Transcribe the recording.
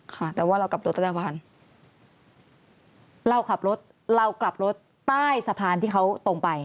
ค่ะแต่ว่าเรากลับรถรัฐบาลเราขับรถเรากลับรถใต้สะพานที่เขาตรงไป